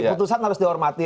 putusan harus dihormati